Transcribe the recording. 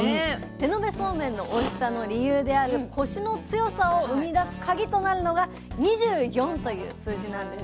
手延べそうめんのおいしさの理由であるコシの強さを生み出すカギとなるのが２４という数字なんです。